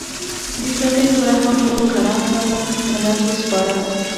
د پردیو رحم و کرم ته مو ملت وسپاره.